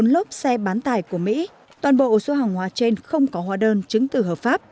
bốn lớp xe bán tải của mỹ toàn bộ số hàng hóa trên không có hóa đơn chứng từ hợp pháp